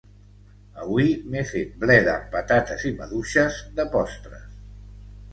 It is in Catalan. Avui m'he fet bleda amb patata i maduixes de postres.